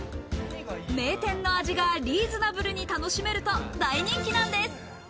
名店の味がリーズナブルに楽しめると大人気なんです。